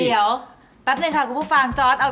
เดี๋ยวแป๊บนึงค่ะกูฟังจอร์ส